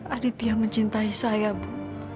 aditya mencintai saya bu